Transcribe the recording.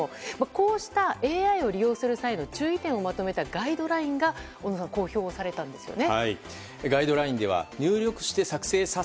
こうしたＡＩを利用する際の注意点をまとめたガイドラインが小野さん、公表されたんですよね。